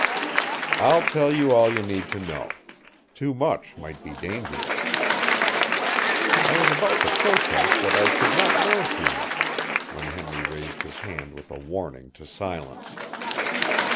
"I'll tell you all you need to know. Too much might be dangerous." I was about to protest that I could not know too much, when Henry raised his hand with a warning to silence.